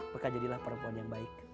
maka jadilah perempuan yang baik